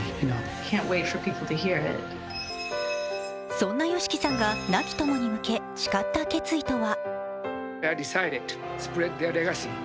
そんなＹＯＳＨＩＫＩさんが亡き友に向け誓った決意とは。